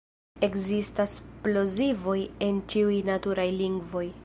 Ekzistas plozivoj en ĉiuj naturaj lingvoj.